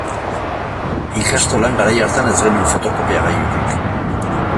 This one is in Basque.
Ikastolan garai hartan ez genuen fotokopiagailurik.